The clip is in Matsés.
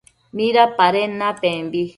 ¿Midapaden napembi?